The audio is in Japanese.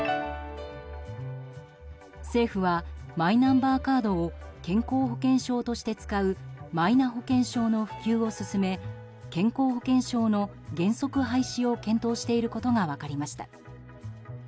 政府はマイナンバーカードを健康保険証として使うマイナ保険証の普及を進め健康保険証の原則廃止を検討していることが分かりました。